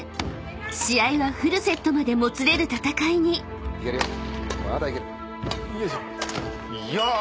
［試合はフルセットまでもつれる戦いに］いけるよ。